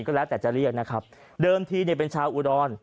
ก็แล้วแต่จะเรียกนะครับเดิมทีเนี่ยเป็นชาวอุดร